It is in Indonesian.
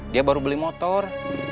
dia baru beli motor